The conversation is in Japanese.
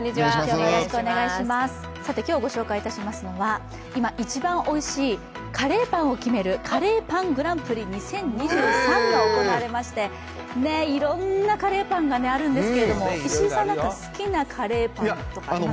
今日ご紹介いたしますのは、今、一番おいしいカレーパンを決める、カレーパングランプリ２０２３が行われまして、いろんなカレーパンがあるんですけど、石井さん、好きなカレーパンありますか？